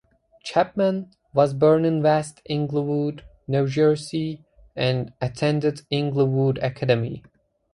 Chapman was born in West Englewood, New Jersey and attended Englewood Academy.